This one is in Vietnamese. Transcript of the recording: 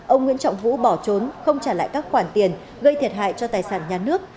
ông nguyễn trọng vũ bỏ trốn không trả lại các khoản tiền gây thiệt hại cho tài sản nhà nước